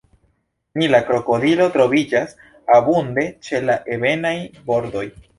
Nila krokodilo troviĝas abunde ĉe la ebenaj bordoj.